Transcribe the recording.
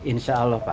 insya allah pak